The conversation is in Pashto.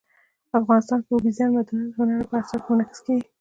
افغانستان کې اوبزین معدنونه د هنر په اثار کې منعکس کېږي.